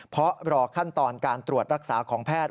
เพราะรอขั้นตอนการตรวจรักษาของแพทย์